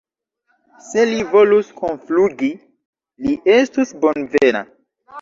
Se li volus kunflugi, li estus bonvena.